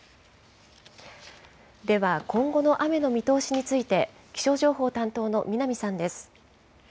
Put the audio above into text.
では、今後の雨の見通しについて、気象情報担当の南さんです。